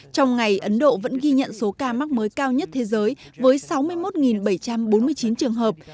trong ngày ấn độ vẫn ghi nhận số ca mắc mới cao nhất thế giới với sáu mươi một bảy trăm bốn mươi chín trường hợp